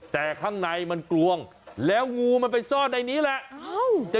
แต่ข้างในมันกลวงแล้วงูมันไปซ่อนในนี้แหละ